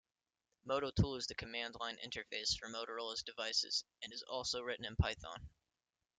Mototool is the command-line interface for Motorola's devices, and is also written in Python.